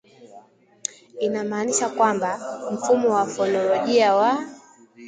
Inamaanisha kwamba, mfumo wa Fonolojia wa